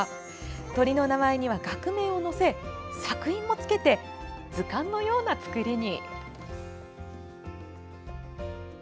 鳥の名前には学名を載せ索引もつけて図鑑のような作りに。